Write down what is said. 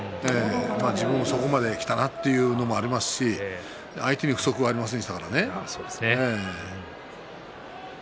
自分もそこまできたなというのもありますし相手に不足はありませんでしたからね。